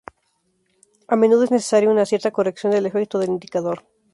A menudo es necesario una cierta corrección del efecto del indicador.